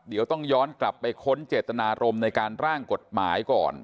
เดี๋ยวต้องย้อนกลับไปค้นเจตนารมณ์ในการร่างกฎหมายก่อน